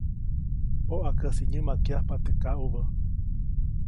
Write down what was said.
Poʼakäsi nyämakyajpa teʼ kaʼubä.